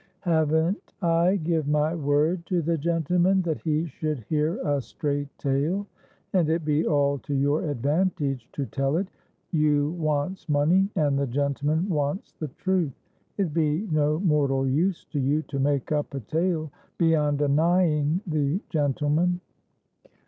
"Haven't I give my word to the gentleman that he should hear a straight tale? And it be all to your advantage to tell it. You wants money, and the gentleman wants the truth. It be no mortal use to you to make up a tale, beyond annying the gentleman."